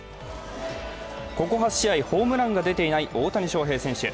ここ８試合ホームランが出ていない大谷翔平選手。